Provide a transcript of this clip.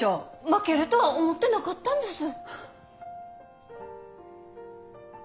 負けるとは思ってなかったんです。